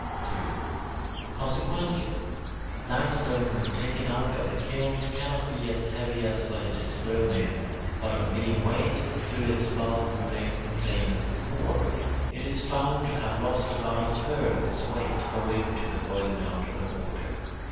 3. Consequently, limestone when taken out of the kiln cannot be as heavy as when it was thrown in, but on being weighed, though its bulk remains the same as before, it is found to have lost about a third of its weight owing to the boiling out of the water.